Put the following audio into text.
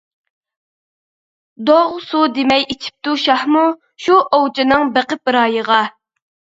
دوغ سۇ دېمەي ئىچىپتۇ شاھمۇ، شۇ ئوۋچىنىڭ بېقىپ رايىغا.